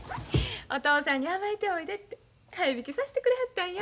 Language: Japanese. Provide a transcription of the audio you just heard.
お父さんに甘えておいでって早引きさしてくれはったんや。